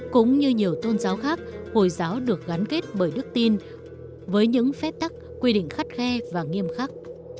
cũng như nhiều tôn giáo khác hồi giáo được gắn kết bởi đức tin với những phép tắc quy định khắt khe và nghiêm khắc